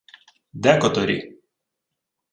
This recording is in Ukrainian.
— Декоторі.